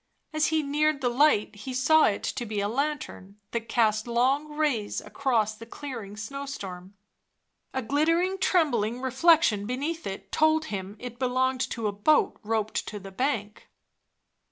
As he neared the light he saw it to be a lantern, that cast long rays across the clearing snowstorm; a glittering, trembling reflection beneath it told him it belonged to a boat roped to the bank.